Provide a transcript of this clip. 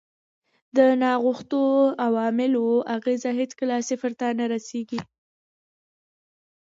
د ناغوښتو عواملو اغېز هېڅکله صفر ته نه رسیږي.